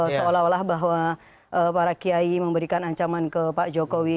seolah olah bahwa para kiai memberikan ancaman ke pak jokowi